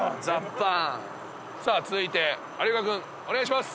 続いて有岡君お願いします。